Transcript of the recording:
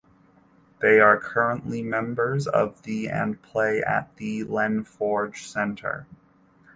They are currently members of the and play at the Len Forge Centre.